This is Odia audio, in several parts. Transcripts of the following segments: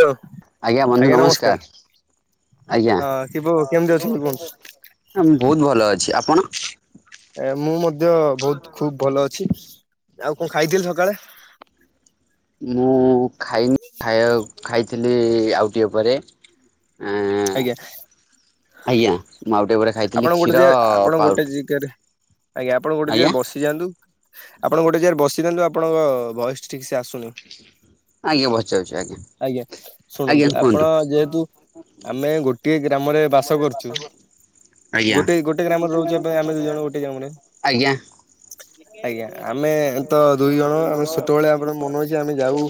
ହ୍ୟାଲୋ। ଆଜ୍ଞା ବନ୍ଧୁ ନମସ୍କାର। ଆଜ୍ଞା। ହଁ ଶିବୁ କେମିତି ଅଛନ୍ତି କୁହନ୍ତୁ? ମୁଁ ବହୁତ ଭଲ ଅଛି। ଆପଣ? ଏ ମୁଁ ମଧ୍ୟ ବହୁତ ଖୁବ ଭଲ ଅଛି। ଆଉ କଣ ଖାଇଥିଲି ସକାଳେ? ମୁଁ ଖାଇନି ଖାଇଆ ଖାଇଥିଲି ଆଉଟିକିଏ ପରେ। ଏଁ ଆଜ୍ଞା ଆଜ୍ଞା। ମୁଁ ଆଉ ଟିକେ ପରେ ଖାଇଥିଲି ଆପଣ ଗୋଟେ କ୍ଷୀର ଜାଗାରେ ଆପଣ ଗୋଟେ ପାଉଁରୁଟି ଜାଗାରେ ଆଜ୍ଞା ଆପଣ ଗୋଟେ ଆଜ୍ଞା ଜାଗାରେ ବସି [unintelligible] ଆପଣ ଗୋଟେ ଜାଗାରେ ବସିଥାନ୍ତୁ ଆପଣଙ୍କ ବୟ ଠିକ ସେ ଆସୁ ଆଜ୍ଞା ବସି ଯାଉଛି ଆଜ୍ଞା। ଆଜ୍ଞା ଆଜ୍ଞା ଶୁଣନ୍ତୁ କୁହନ୍ତୁ ଆପଣ ଯେହେତୁ ଆମେ ଗୋଟିଏ ଗ୍ରାମରେ ବାସ କରୁଛୁ। ଆଜ୍ଞା ଗୋଟେ ଗୋଟେ ଗ୍ରାମରେ ରହୁଛୁ ଏବେ ଆମେ ଦୁଇ ଜଣ ଗୋଟେ ଗ୍ରାମରେ। ଆଜ୍ଞା ଆଜ୍ଞା ଆମେ ତ ଦୁଇ ଜଣ ଆମେ ଛୋଟବେଳେ ଆମର ମନେ ଅଛି ଆମେ ଯାଉ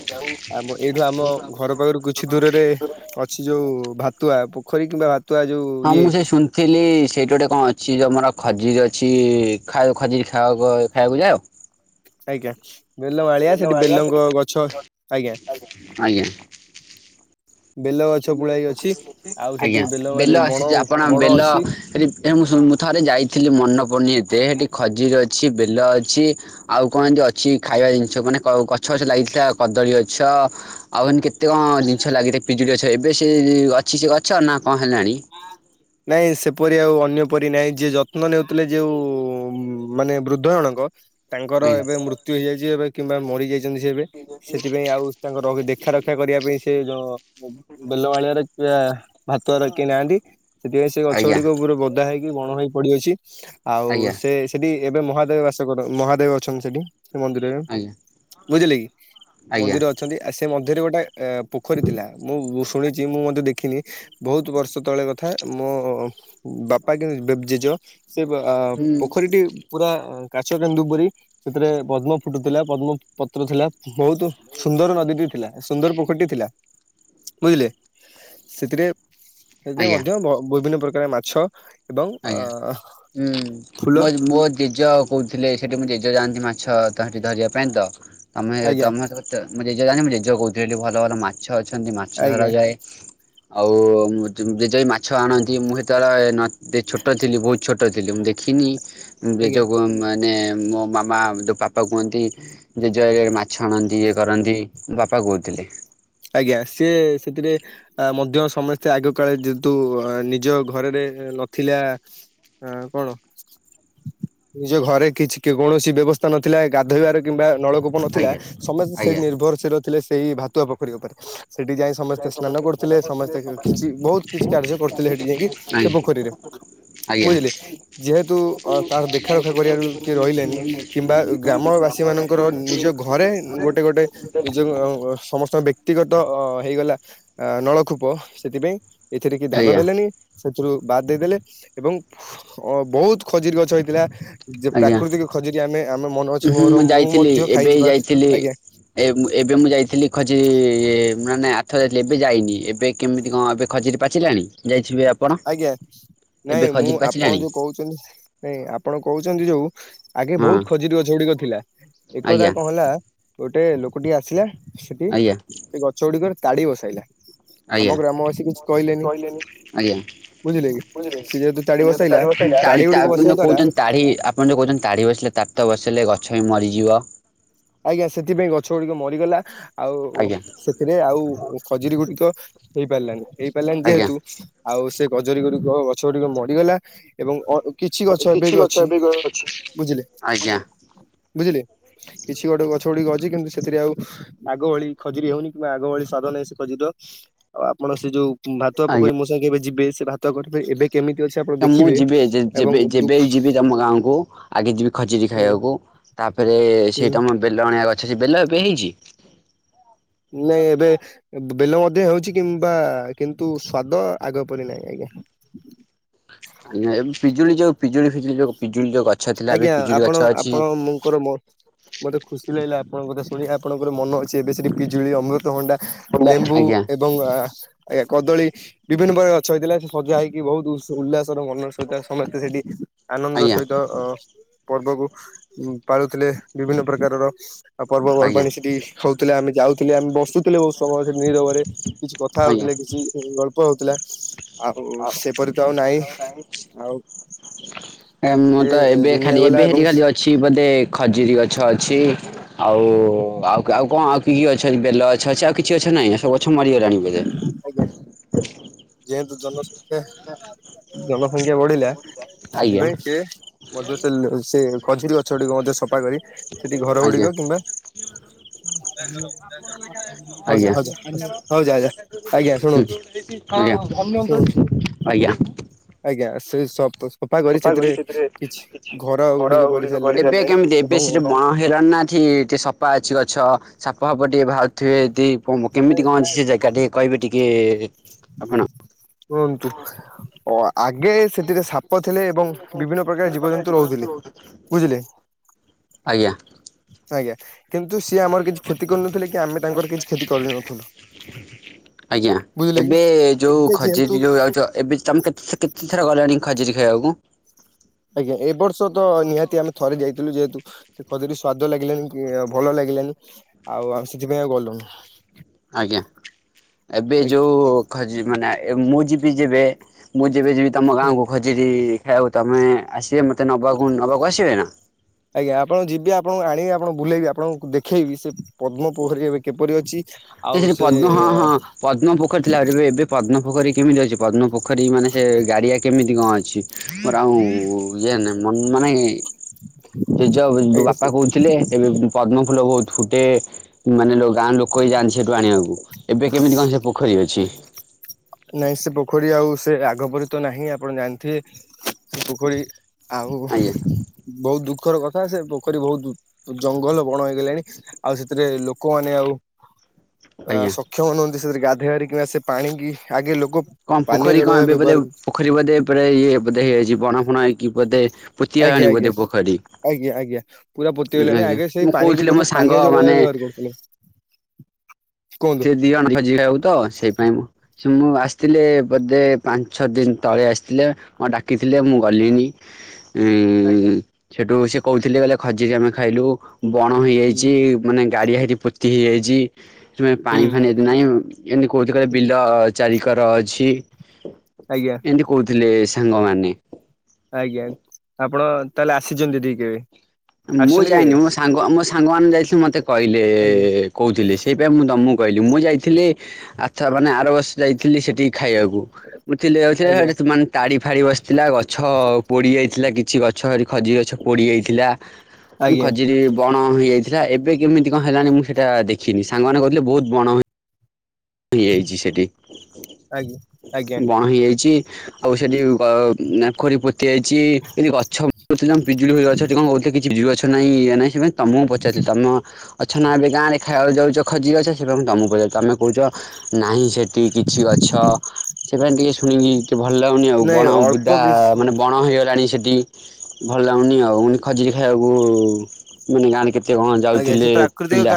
ଆମ ଏଇଠୁ ଆମ ଘର ପାଖରୁ କିଛି ଦୂରରେ ଅଛି ଯୋଉ ଭାତୁଆ ପୋଖରୀ କିମ୍ବା ଭାତୁଆ ଯୋଉ ଇଏ। ଥିଲି ସେଇଠି ଗୋଟେ କଣ ଅଛି ଯେମର ଖଜିର ଅଛି ଖାଅ ଖଜିରି ଖବା ଖାଇବାକୁ ଯାଅ? ଆଜ୍ଞା ବେଲ ଆଳିଆ ସେଠି ବେଲଙ୍କ ଗଛ ଆଜ୍ଞା। ଆଜ୍ଞା ବେଲ ଗଛ ପୁଳାଏ। ଅଛି। ଆଉ [unintelligible] ସେଠି ଆଜ୍ଞା ବେଲ ମାରି ସେ ବଣ ଯ ଆପଣ ବଣ ବେଲ ଅଛି ସେଠି ଏ ମୁଁ ସୁ ମୁଁ ଥରେ ଯାଇଥିଲି ମନ ପଡୁନି ଏତେ ସେଠି ଖଜିର ଅଛି ବେଲ ଅଛି। ଆଉ କଣ ଏମିତି ଅଛି ଖାଇବା ଜିନିଷ ମାନେ କ ଗଛ ଗଛ ଲାଗିଥିଲା କଦଳୀ ଗଛ ଆଉ ଏମିତି କେତେ କଣ ଜିନିଷ ଲାଗିଥାଏ ପିଜୁଳି ଗଛ ଏବେ ସେ ଅଛି ସେ ଗଛ ନା କଣ ହେଲାଣି? [unintelligible] ନାଇଁ ସେପରି ଆଉ ଅନ୍ୟପରି ନାଇଁ ଯିଏ ଯତ୍ନ ନେଉଥିଲେ ଯୋଉ ମାନେ ବୃଦ୍ଧ ଜଣଙ୍କ ତାଙ୍କର ଆଜ୍ଞା ଏବେ ମୃତ୍ୟୁ ହେଇଯାଇଛି ଏବେ କିମ୍ବା ମରି ଯାଇଛନ୍ତି ସେ ଏବେ ସେଥିପାଇଁ ଆଉ ତାଙ୍କ ରଗ ଦେ କ୍ଷା ରକ୍ଷା କରିବା ପାଇଁ ସେ ଯ ବେଲବାଳିଆ ରେ କିଏ ଭାତୁଆରେ କିି ନାହାଁନ୍ତି। ସେଥିପାଇଁ ସେ ଗଛ ଆଜ୍ଞା ଗୁଡିକ ପୁରା ବଦା ହେଇକି ବଣ ହେଇ ପଡିଅଛି ଆଉ ଆଜ୍ଞା ସେ ସେଠି ଏବେ ମହାଦେବ ବାସ କର ମହାଦେବ ଅଛନ୍ତି ସେଠି ସେ ମନ୍ଦିରରେ ଆଜ୍ଞା ବୁଝିଲେ କି? ଆଜ୍ଞା ମନ୍ଦିର ଅ ଛନ୍ତି ଆ ସେ ମଧ୍ୟରେ ଗୋଟାଏ ଏ ପୋଖରୀ ଥିଲା ମୁଁ ଶୁଣିଛି ମୁଁ ମଧ୍ୟ ଦେଖିନି ବହୁତ ବର୍ଷ ତ ତଳେ କଥା ମୋ ବାପା କି ବେ ଜେଜ ସେ ଅ ହୁଁ ପୋଖରୀଟି ପୁରା କାଚ କେନ୍ଦୁ ପରି ସେଥିରେ ପଦ୍ମ ଫୁଟୁଥିଲା ପଦ୍ମ ପତ୍ର ଥିଲା। ବହୁତ ସୁନ୍ଦର ନଦୀଟିଏ ଥିଲା ସୁନ୍ଦର ପୋଖରୀ ଟିଏ ଥିଲା। ବୁଝିଲେ ସେଥିରେ ସେଥିରେ ଆଜ୍ଞା ମଧ୍ୟ ବ ବିଭିନ୍ନ ପ୍ରକାର ମାଛ ଏବଂ ଅ ଆଜ୍ଞା ହୁଁ ଫୁଲ ମ ମୋ ଜେଜ କହୁଥିଲେ ସେଠି ମୋ ଜେଜେ ଯାଆନ୍ତି ମାଛ ତ ହେଠି ଧରିବା ପାଇଁ ତମେ ଆଜ୍ଞା ତମେ [unintelligible] ତ ମୋ ଜେଜ ଜାଆନ୍ତି ମ ଜେଜ କହୁଥିଲି ଭଲ ଭଲ ମାଛ ଅଛନ୍ତି ମାଛ ଆଜ୍ଞା ଧରାଯାଏ। ଆଉ ମୋ ଜଜେ ମାଛ ଆଣନ୍ତି ମୁଁ ସେତେବେଳେ ନ ଯେ ଛୋଟ ଥିଲି ବହୁତ ଛୋଟ ଥିଲି ମୁଁ ଦେଖିନି ଆଜ୍ଞା ଜେଜ କୁ ମାନେ ମୋ ମାମ ମା ପାପା କୁହନ୍ତି ଜେଜ ମାଛ ଆଣନ୍ତି ଇଏ କରନ୍ତି ମୋ ବାପା କହୁଥିଲେ। ଆଜ୍ଞା ସିଏ ସେଥିରେ ଆ ମଧ୍ୟ ସମସ୍ତେ ଆଗ କାଳେ ଯେହେତୁ ନିଜ ଘରେରେ ନଥିଲା ଆଁ କଣ? ନିଜ ଘରେ କିଛି କେ କୌଣସି ବ୍ୟବସ୍ଥା ନଥିଲା ଗାଧୋଇବାର କିମ୍ବା ନଳ କୂପ ନଥିଲା ଆଜ୍ଞା। ସମସ୍ତେ ସେ ଆଜ୍ଞା ନିର୍ଭରଶୀଳ ଥିଲେ ସେଇ ଭାତୁଆ ପୋଖରୀ ଉପରେ ସେଠି ଯାଇ ସମସ୍ତେ ସ୍ନାନ କରୁଥିଲେ ସମସ୍ତେ କିଛି ବହୁତ କିଛି କାର୍ଯ୍ୟ କରୁଥିଲେ ସେଠି ଯାଇକି ଆଜ୍ଞା ସେ ପୋଖରୀରେ। ଆଜ୍ଞା ବୁଝିଲେ ଯେହେତୁ ଅ ତାର ଦେଖା ରଖା କରିବାରୁ କିଏ ରହିଲେନି କିମ୍ବା ଗ୍ରାମବାସୀ ମାନଙ୍କର ନିଜ ଘରେ ଗୋଟେ ଗୋଟେ ନିଜ ସମସ୍ତ ବ୍ୟ କ୍ତିଗତ ଅ ହେଇଗଲା ଆ ନଳକୂପ ସେଥିପାଇଁ ଏଥିରେ କେହି ଧ୍ୟାନ ଦେଲେନି। ସେଥିରୁ ବାଦ୍ ଦେଇଦେଲେ ଏବଂ ଅ ବହୁତ ଖଜିରି ଗଛ ହେଇଥିଲା ଯେ ଆଜ୍ଞା। ପ୍ରାକୃତିକ ଖଜୁରୀ ଆମେ ଆମେ ମନେ ଉଁ ଅଛି ହୁଁ ମୋର ମୁଁ ଯାଇଥିଲି ମଧ୍ୟ ଏବେ ଖାଇଛି ପା ଯାଇଥିଲି। ଆଜ୍ଞା? ଏ ଏବେ ମୁଁ ଯାଇଥିଲି ଖଜୁରୀ ଏ ମାନେ ଆରଥର ଯାଇଥିଲି ଏବେ ଯାଇନି ଏବେ କେମିତି କଣ ଏବେ ଖଜୁରୀ ପାଚିଲାଣି ଯାଇଥିବେ ଆପ ଆଜ୍ଞା ନାଇଁ ମୁଁ ଆପଣ ପାଚିଲାଣି ଯୋଉ କହୁଛନ୍ତି ନାଇଁ ଆପଣ କହୁଛନ୍ତି ଯୋଉ। ଆଗେ ହଁ ବହୁତ ଖଜୁରୀ ଗଛ ଗୁଡିକ ଥିଲା ଆଜ୍ଞା ଏକଦି କଣ ହେଲା ଗୋଟେ ଲୋକଟି ଆସିଲା। ସେଠି ଆଜ୍ଞା ସେ ଗଛ ଗୁଡିକରେ ତାଡି ବସାଇଲା ଆଜ୍ଞା ଆମ ଗ୍ରାମବାସୀ କିଛି କହିଲେନି। ଆଜ୍ଞା ବୁଝିଲେ କି ସିଏ ଯେହେତୁ ବସାଇଲା ତାଡି ତି ତାଡି ଗୁଡିକ ଆପଣ ବସିବା ଯୋଉ ଦ୍ଵାରା କହୁଛନ୍ତି ତାଡି। ଆପଣ ଯୋଉ କହୁଛନ୍ତି ତାଡି ବସିଲେ ତାତ ବସିଲେ ଗଛ ବି ମରିଯିବ। ଆଜ୍ଞା ସେଥିପାଇଁ ଗଛ ଗୁଡିକ ମରିଗଲା ଆଉ। ଆଜ୍ଞା ସେଥିରେ ଆଉ ଖଜୁରୀ ଗୁଡିକ ହେଇ ପାରିଲାନି ହେଇ ପାରିଲାନି ଆଜ୍ଞା ଯେହେତୁ। ଆଉ ସେ ଖଜୁରୀ ଗୁଡିକ ଗଛ ଗୁଡିକ ମରିଗଲା ଏବଂ ଅ କିଛି ଗଛ ଏବେ ବି ଅଛି ବୁଝିଲେ ଆଜ୍ଞା ବୁଝିଲେ। କିଛି ଗୋଟେ ଗଛ ଗୁଡିକ ଅଛି କିନ୍ତୁ ସେଥିରେ ଆଉ ଆଗ ଭଳି ଖଜୁରୀ ହଉନି। କିବା ଆଗ ଭଳି ସ୍ୱାଦ ନାଇଁ ସେ ଖଜୁରୀର ଆଉ ଆପଣ ସେ ଯୋଉ ଭାତୁଆ ପୋଖରୀ ଆଜ୍ଞା ମୋ ସାଙ୍ଗେ କେବେ ଯିବେ ସେ ଭାତ [unintelligible] ନା ମୁଁ ଯିବି ଏ ଯେ ଯେବେ ବି ଦୁଃଖ ଯିବି ତମ ଗାଁକୁ ଆଗେ ଯିବି ଖଜୁରୀ ଖାଇବାକୁ। ତାପରେ ସେଇଟା ମୋ ବେଲ ଅଣିବାର ଅଛି ଯେ ବେଲ ଏବେ ହେଇଛି। ନାଇ ଏବେ। ବେଲ ମଧ୍ୟ ହେଉଛି କିମ୍ବା କିନ୍ତୁ ସ୍ଵାଦ ଆଗ ପରି ନାହିଁ ଆଜ୍ଞା। ଆଜ୍ଞା ଏବେ ପିଜୁଳି ଯୋଉ ପିଜୁଳିି ଫିଜୁଳି ଯୋଉ ପିଜୁଳି ଯୋଉ ଗଛ ଥିଲା ଏବେ ପିଜୁଳି ଗଛ ଅଛି। କ ର ମ ମତେ ଖୁସି ଲାଗିଲା ଆପଣଙ୍କ କଥା ଶୁଣି ଆପଣଙ୍କର ମନ ଅଛି ଏବେ ସେଠି ପିଜୁଳି ଅମୃତ ଭଣ୍ଡା। ଲେମ୍ବୁ ଆଜ୍ଞା। ଏ ଏବଂ ଆଁ ଆଜ୍ଞ କଦଳୀ ବିଭିନ୍ନ ପ୍ରକାର ଗଛ ହେଇଥିଲା ସେ ସଜା ହେଇକି ବହୁତୁ। ଉଲ୍ଲାସର ମନର ସହିତ ସମସ୍ତେ ସେଠି ଆନନ୍ଦ ଆଜ୍ଞା ସହିତ। ପର୍ବକୁ ପାଳୁଥିଲେ ବିଭିନ୍ନ ପ୍ରକାରର ଆଉ ଆଜ୍ଞା ପର୍ବପର୍ବାଣି ସେଠି। ହଉଥିଲେ ଆମେ ଯାଉ। ଥିଲେ ଆମେ ବସୁଥିଲେ ବହୁତ ସମୟରେ ନିରବରେ କିଛି କଥା ଆଜ୍ଞା। ହଉଥିଲେ କିଛି ଗଳ୍ପ ହଉଥିଲା। ଆଉ ସେପରି ତ ଆଉ ନାଇଁ ଆଉ। ଏଁ ମୁଁ ସେ ତ ଏବେ ଦୁନିଆ ଖାଲି ଗଲା ଏବେ ଏବଂ ସେଠି ଖାଲି ଅ ଅଛି ବୋଧେ ଖଜୁରୀ ଗଛ ଅଛି ଆଉ ଆଉ କଁ ଆଉ କି କି ଗଛ। ବେଲ ଗଛ ଅଛି ଆଉ କିଛି ଗଛ ନାହିଁ ନା ସବୁ ଗଛ ମରିଗଲାଣି ବୋଧେ। ଆଜ୍ଞା ଯେହେତୁ ଜନସଂଖ୍ୟା ଜନସଂଖ୍ୟା ବଢିଲା। ଆଜ୍ଞା ସେଥିପାଇଁ ସେ ମଧ୍ୟ ସେ ସେ ଖଜୁରୀ ଗଛ ଗୁଡ଼ିକ ମଧ୍ୟ ସଫା କରି। ସେଠି ଘର ଗୁଡିକ ଆଜ୍ଞା କିମ୍ବା। ଆଜ୍ଞା ହଉ ଯା ଯା ଶୁଣନ୍ତୁ ଆଜ୍ଞା ଶୁଣନ୍ତୁ ଆଜ୍ଞା। ଆଜ୍ଞା ସେଇ ସ [unintelligible] ଟିକେ ସଫା ଅଛି ଗୁଡିକ ଗଛ କରିସାରିଲେଣି ସାପ‌ ଏବଂ ଫାପ ଟିକେ ବାହାରୁଥିବେ ଯଦି। କୁଅମ କେମିତି କଣ ଅଛି ସେ ଜାଗା ଟିକେ କହିବେ ଟିକେ ଆପଣ? ରୁହନ୍ତୁ। ଆଗେ ସେଥିରେ ସାପ ଥିଲେ ଏବଂ ବିଭିନ୍ନ ପ୍ରକାର ଜୀବଜନ୍ତୁ ରହୁଥିଲେ ବୁଝିଲେ। ଆଜ୍ଞା। ଆଜ୍ଞା କିନ୍ତୁ ସିଏ ଆମର କିଛି କ୍ଷତି କରୁ ନଥିଲେ କି ଆମେ ତାଙ୍କର କିଛି କ୍ଷତି। କରିନଥିଲୁ ଆଜ୍ଞା ବୁଝିଲେ କି ଏବେ ଯୋଉ ଏବେ ଯେହେତୁ ଖଜୁରୀ ଯୋଉ ଆଉଚ ଏବେ ତମେ କେତେ କେତେ ଥର ଗଲାଣି ଖଜୁରୀ ଖାଇବାକୁ? ଆଜ୍ଞା ଏ ବର୍ଷ ତ ନିହାତି ଆମେ। ଥରେ ଯାଇଥିଲୁ ଯେହେତୁ ସେ ଖଜୁରି ସ୍ଵାଦ ଲାଗିଲାନି କି ଭଲ ଲାଗିଲାନି। ଆଉ ଆସୁଥିବେ ଗଲୁନୁ। ଆଜ୍ଞା ଏବେ ଯୋଉ ଖଜି ମାନେ ମୁଁ ଯିବି ଯେବେ ମୁଁ ଯେବେଯିବି ତମ ଗାଁକୁ ଖଜୁର ଖାଇବାକୁ ତମେ ଆସିବେ ମତେ ନବାକୁ ନେବାକୁ ଆସିବେ ନା? ଆଜ୍ଞା ଆପଣଙ୍କୁ ଯିବି ଆପଣଙ୍କୁ ଆଣିବି ଆପଣ ବୁଲେଇବି ଆପଣଙ୍କୁ ଦେଖେଇବି ସେ ପଦ୍ମପୋଖରୀ ଏବେ କିପରି ଅଛି? ଏ ଆଉ ସେଠି ସେ ପଦ୍ମ ହଁ ହଁ ପଦ୍ମ ପୋଖର ଥିଲାରେ ଏବେ ପଦ୍ମ ପୋଖରୀ କେମିତି ଅଛି ପଦ୍ମ ପୋଖରୀ ମାନେ ସେ ଗାଡିଆ କେମିତି କଣ ଅଛି? ମୋର ଆଉ ଇଏ ନାହିଁ ମାନେ ଜେଜେ ଆଜ୍ଞା ବାପା ସେ କହୁଥିଲେ। ଏବେ ପଦ୍ମ ଫୁଲ ବହୁତ ଫୁଟେ ମାନେ ଗାଁ ଲୋକ ହିଁ ଯାଅନ୍ତି ସେଠୁ ଆଣିବାକୁ ଏବେ କେମିତି କଣ ସେ ପୋଖରୀ ଅଛି? ନାଇଁ ସେ ପୋଖରୀ ଆଉ ସେ ଆଗ ପରି ତ ନାହିଁ ଆପଣ ଜାଣିଥିବେ ସେ ପୋଖରୀ ଆଉ ଆଜ୍ଞା ବହୁତ ଦୁଃଖର କଥା ଯେପୋଖରୀ ବହୁତ ଜଙ୍ଗଲ ବଣ ହେଇଗଲାଣି। ଆଉ ସେଥିରେ ଲୋକମାନେଆଉ ଅ ଆଜ୍ଞା ସକ୍ଷମ ନୁହନ୍ତି ସେଥିରେ ଗାଧୋଇବାର କିମ୍ବା ସେ ପାଣିକି ଆଗେ ଲୋକ କଣ ପାନୀୟ ପୋଖରୀ ଜଳ ଭାବେ କଣ ଏବେ ବ୍ୟବହାର ଯାଉ କରୁଛି ପୋଖରୀ ବୋଧେ ପୁର ଇଏ ବୋଧେ ହେଇଯାଇଛି ବଣା ଫଣ ହେଇ ବୋଧେ ପୋତିଆ ଆଜ୍ଞା ଆଣ ଆଜ୍ଞା ବୋଧେ ପୋଖରୀ। ଆଜ୍ଞା ଆଜ୍ଞା ପୁରା ପୋତିଗଲାଣି ଆଜ୍ଞା ସେଇ ମୁଁ ପାଣିକୁ କହୁଥିଲି ମୋ ଲୋକ ସାଙ୍ଗ ପାନୀୟ ଜଳ ଭାବେ ମାନେ ବ୍ୟବହାର କରୁଥିଲେ। କୁହନ୍ତୁ ସେ ଦି ଜଣ ଭୋଜି ଖାଇବାକୁ ତ ସେଇପାଇଁ ମୁଁ ସେ ମୁଁ ଆସିଥିଲି ବୋଧେ ପାଞ୍ଚ ଛଅ ଦିନ ତଳେ ଆସିଥିଲେ ହଁଡାକିଥିଲେ ମୁଁ ଗଲିନି। ଆଜ୍ଞା ହୁହୁହୁହୁଉ ସେଠୁ ସେ କହୁଥିଲେ ଖଜୁରୀ ଆମେ ଖାଇଲୁ ବଣ ହୁଁ ହେଇଯାଇଛି। ମାନେ ଗାଡିଆ ହେଠି ପୋତି ହେଇଯାଇଛି ପାଣି ହୁଁ ଫାଣିି ହେଠିନାହିଁ କେମିତି ହୁଁ କହିଛିବିଲ ଚାରିକର ଅଛି ଆଜ୍ଞା ଏମିତି କହୁଥିଲେ ସାଙ୍ଗମାନେ ଆଜ୍ଞା ଆପଣ ତାହେଲେ ଆସିଛନ୍ତି ଠିକରେ? ମୁଁ ଯାଇନି ମୋ ସାଙ୍ଗ ମୋ ସାଙ୍ଗ ମାନ ଯାଇଥିଲେ ମତେ କହିଲେ ଆଜ୍ଞା କହୁଥିଲେ ସେଇପାଇଁ ମୁଁ ତମକୁ କହିଲି ମୁଁ ଯାଇଥିଲେ ଆଚ୍ଛମାନେ ଆର ବର୍ଷଯାଇଥିଲି ସେଠିକି ଖାଇବାକୁ ବୁଝିଲି ଆଜ୍ଞା ସେଠି ମାନେ ତାଡ଼ି ଫାଡ଼ି ବସିଥିଲା ଗଛ ପୋଡ଼ି ଯାଇଥିଲା କିଛି ଗଛ ଖଜୁରି ଗଛ ପୋଡ଼ି ଯାଇଥିଲା। ଁ ଆଜ୍ଞା ଖଜୁରୀ ବଣ ହେଇଯାଇଥିଲା ଏବେ କେମିତି କଣ ହେଲାଣି ମୁଁ ସେଇଟା ଦେଖିନି ସାଙ୍ଗମାନେ କହୁଥିଲେ ବହୁତ ବଣ ହେଇଯାଇଛି ସେଠି ଆଜ୍ଞା ଆଜ୍ଞା ବଣ ହେଇଯାଇଛି। ଆଉ ସେଠି ନେଖୋରି ପୋତି ଇଛି ଯଦି ଗଛ ପିଜୁଳି ଗଛ କଣହୁ କିଛି ବିଜୁଳି ଗଛ ନାଁ ଇଏ ନାଇଁ ସେମାନେ ତମକୁ ପଚାରୁଛିତମ ଅଛ ନା ଏବେ ଗାଁରେ ଖାଇବାବେକୁ ଯାଉଛଖଜୁରୀ ଗଛ ତମକୁ ପଚାରୁଛି ତମେ କହୁଛ ନାହିଁ ସେଠି କିଛି ଗଛ ସେ ପାଇଁ ଟିକେ ଶୁଣି ଟିକେ ଭଲ ଲାଗୁନି ଆଉ ନାଇଁ ବଣ ବୁଦା ଅଳ୍ପ କିଛି ମାନେ ବଣ ହେଇଗଲାଣି ସେଠି ଭଲ ଲାଗୁନି ଆଉଖଜୁରୀ ଖାଇବାକୁ ମାନେ ଗାଁରେ କେତେ କେତେ କଣ ଆଜ୍ଞା ସେ ଯାଉଥିଲେ ପ୍ରାକୃତିକ ପିଲା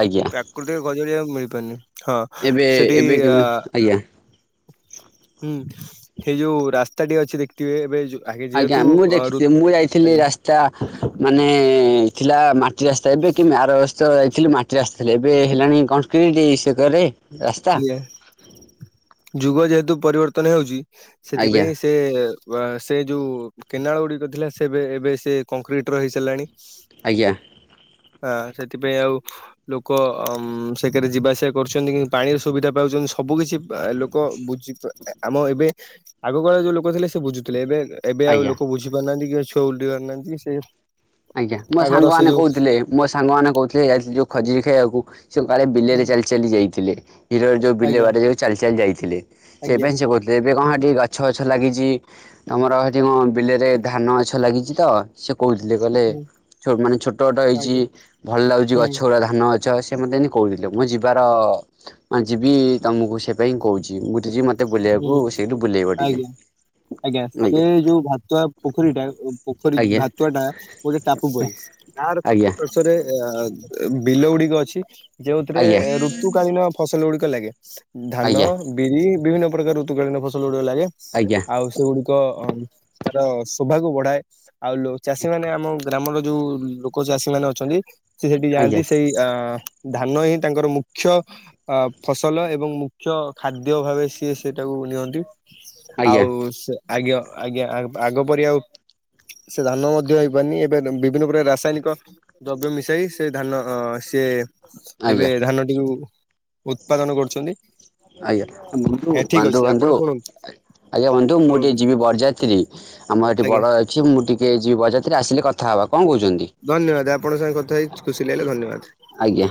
ଆଜ୍ଞା। ଗୋଟେ ଖଜୁରୀଆଉମିଳିପାରୁନି ହଁ ଏବେ ସେଠି ଏବେ ଆ କେବେ ଆଜ୍ଞା ହୁଁ ସେଇ ଯୋଉ ରାସ୍ତାଟି ଅଛି ଦେଖିଥିବେ ଏବେ ଯେ ଆଜ୍ଞା ମୁଁ ଦେଖିଥିଲି ମୁଁ ଯାଇଥିଲି ରାସ୍ତା ମାନେ ଥିଲା ମାଟି ରାସ୍ତା ଏବେ କି ଆର ବର୍ଷଯାଇଥିଲି ମାଟି ରାସ୍ତା ଥିଲେ ଏବେ ହେଲାଣି କଂକ୍ରିଟ୍ ସେ କରେ ରାସ୍ତା ଇଏ ଯୁଗ ଯେହେତୁ ପରିବର୍ତ୍ତନ ହେଉଛି ଆଜ୍ଞା ସେଥିପାଇଁ। ସେ ସେ ଯୋଉ କେନାଳ ଗୁଡିକ ଥିଲା ସେବେ ଏବେ ସେ କଂକ୍ରିଟ ର ହେଇ ସାରିଲାଣି। ଆଜ୍ଞା। ହଁ ସେଥିପାଇଁ ଆଉ ଲୋକ ସେ କରେ ଯିବା ଆସିବା କରୁଛନ୍ତି କି। ପାଣିର ସୁବିଧା ପାଉଛନ୍ତି ସବୁ କିିଛି ଲୋକ ବୁଝିପା ଆମ ଏବେ ଆଗକାଳ ଯୋଉ ଲୋକ ଥିଲେ ସେ ବୁଝୁଥିଲେ। ଏବେ ଏବେ ଆଉ ଆଜ୍ଞା। ଲୋକ ବୁଝ ପାରୁନାହାନ୍ତି କି ଛୁଆ ଉଡିପାରୁନାନ୍ତି ସେ ଆଜ୍ଞା ମୋ ସାଙ୍ଗ ଆଗର ସେ ମାନେ ଯୋଉ କହୁଥିଲେ। ମୋ ସାଙ୍ଗ ମାନ କହୁଥିଲେ ଯାଇଥିଲି ଯୋଉ ଖଜୁରୀ ଖାଇବାକୁ। ସେ କାଳେ ବିଲରେ ଚାଲି ଚାଲି ଯାଇଥିଲେ। ହିଡରେ ଯଉ ବିଲ ଆଜ୍ଞା ବାଡେ ଯୋଉ ଚାଲି ଚାଲି ଯାଇଥିଲେ ଆଜ୍ଞା ସେପାଇ ସେ କହୁଥି ଏବେ କଣ ଟିକେ ଗଛ ଫଛ ଲାଗିଛି। ଆମର ଏଠି କଣ ବିଲରେ ଧାନ ଗଛ ଲାଗିଛି ତ ସେ କହୁ ଥିଲେ କହିଲେ ହୁଁ ଛୋ ମାନେ ଛୋଟ ଟ ହେଇଛି ଆଜ୍ଞା ଭଲ ଲାଗୁଛି ହୁଁ ଗଛଗୁଡ଼ା ଧାନ ଗଛ ସେ ମତେ ଏମିତି କହୁଥିଲେ। ମୁଁ ଯିବାର ମୁଁ ଯିବି ତମକୁ ସେ ପାଇଁ କହୁଛି ମୁ ଠୁ ଯିବି ମୋତେ ହୁଁ ବୁଲିବାକୁ ସେଇଠୁ ବୁଲେଇବ ଟିକେ। ଆଜ୍ଞା। ଆଜ୍ଞା ସେ ଯୋଉ ଭାତୁଆ ପୋଖରୀଟା ଓ ପୋଖରୀ ଆଜ୍ଞା ଭାତ ତୁଆଟା ଗୋଟେ ଟାପୁ ପରି। ଗାଁର ଆଜ୍ଞା ଚତୁଃପାଶ୍ୱରେ ଅ ବିଲ ଗୁଡିକ ଅଛି। ଯଉଥିରେ ଆଜ୍ଞା ଆଜ୍ଞା ଋତୁକାଳୀନ ଫସଲ ଗୁଡିକ ଲାଗେ। ଧାନ ଆଜ୍ଞା ବିରି ବିଭିନ୍ନ ପ୍ରକାର ଋତୁକାଳୀନ ଫସଲ ଗୁଡିକ ଲାଗେ ଆଜ୍ଞା ଆଜ୍ଞା ଆଉ ସେଗୁଡିକ ଅ ତାର ଶୋଭାକୁ ବଢାଏ। ଆଉ ଲୋ ଚାଷୀ ମାନେ ଆମ ଗ୍ରାମର ଯୋଉ ଲୋକ ଚାଷୀ ମାନେ ଅଛନ୍ତି ସେ ସେଠି ଆଜ୍ଞା ଯାଆନ୍ତି ସେଇ ଅ ଧାନ ହିଁ ତାଙ୍କର ମୁଖ୍ୟ ଅ ଫସଲ ଏବଂ ମୁଖ୍ୟ ଖାଦ୍ୟ ଭାବେ ସିଏ ସେଟାକୁ ନିଅନ୍ତି। ଆଜ୍ଞା ଆଉ ସେ ଆଜ୍ଞା ଆଜ୍ଞା ଅ ଆଗ ପରି ଆଉ ସେ ଧାନ ମଧ୍ୟ ହେଇପାରୁନି ଏବେ ବିଭିନ୍ନ ପ୍ରକାର ରାସାୟନିକ ଦ୍ରବ୍ୟ ମିଶାଇ ସେ ଧାନ ଅ ସିଏ ଏବେ ଆଜ୍ଞା ଧାନଟିକୁ ଉତ୍ପାଦନ କରୁଛନ୍ତି। ଆଜ୍ଞା। ବନ୍ଧୁ ଠିକ୍ ଅଛି ଆପଣ ବନ୍ଧୁ ଶୁଣନ୍ତୁ ଆଜ୍ଞା ବନ୍ଧୁ ମୁଁ ଟିକେ ଶୁଣନ୍ତୁ ଯିବି ବରଯାତ୍ରୀ ଆମର ଏଠି ଆଜ୍ଞା ବଡ ଅ ଅଛି ମୁଁ ଟିକେ ଯିବି ବରଯାତ୍ରୀ ଆସିଲେ କଥା ହେବା କଣ କହୁଛନ୍ତି? ଧନ୍ୟବାଦ ଆପଣଙ୍କ ସାଙ୍ଗେ କଥା ହେଇ ଖୁସି ଲାଗିଲା ଧନ୍ୟବାଦ। ଆଜ୍ଞା।